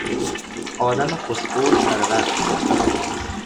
آدم خوش قول سر وقت میآید.